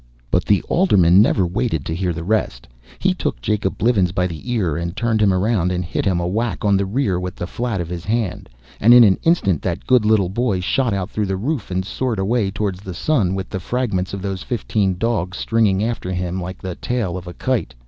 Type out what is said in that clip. But the alderman never waited to hear the rest. He took Jacob Blivens by the ear and turned him around, and hit him a whack in the rear with the flat of his hand; and in an instant that good little boy shot out through the roof and soared away toward the sun, with the fragments of those fifteen dogs stringing after him like the tail of a kite.